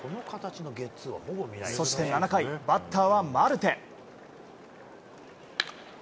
そして７回、バッターはマルテ。